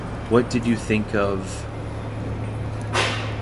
What did you think of?